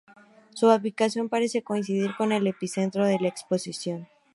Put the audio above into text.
Su ubicación parece coincidir con el epicentro de la explosión.